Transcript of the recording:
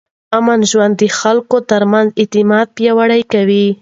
امن ژوند د خلکو ترمنځ اعتماد پیاوړی کوي.